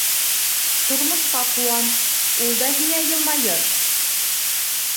Тормошҡа ҡыуан, ул да һиңә йылмайыр.